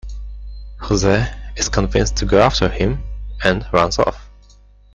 Jose is convinced to go after him and runs off.